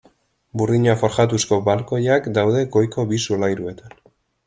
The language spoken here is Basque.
Burdina forjatuzko balkoiak daude goiko bi solairuetan.